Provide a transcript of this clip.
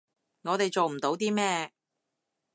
我哋做唔到啲咩